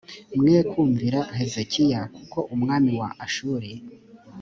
mwe kumvira hezekiya kuko umwami wa ashuri